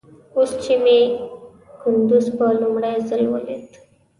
اوس چې مې کندوز په لومړي ځل وليد.